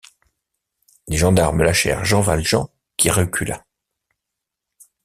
Les gendarmes lâchèrent Jean Valjean qui recula.